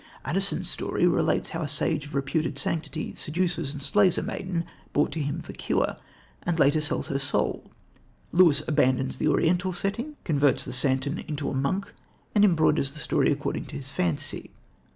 Addison's story relates how a sage of reputed sanctity seduces and slays a maiden brought to him for cure, and later sells his soul. Lewis abandons the Oriental setting, converts the santon into a monk and embroiders the story according to his fancy.